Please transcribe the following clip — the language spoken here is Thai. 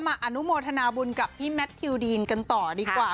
อนุโมทนาบุญกับพี่แมททิวดีนกันต่อดีกว่า